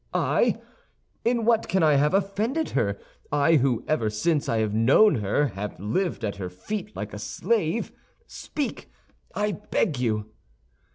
"I? In what can I have offended her—I who ever since I have known her have lived at her feet like a slave? Speak, I beg you!"